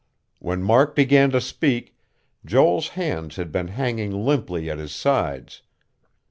When Mark began to speak, Joel's hands had been hanging limply at his sides.